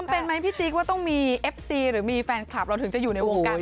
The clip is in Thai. อ๋อพี่ต้องรู้